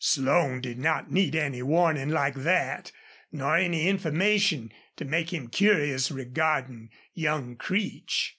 Slone did not need any warning like that, nor any information to make him curious regarding young Creech.